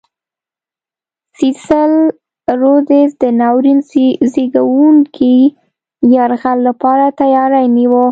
سیسل رودز د ناورین زېږوونکي یرغل لپاره تیاری نیوه.